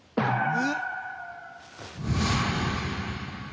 えっ。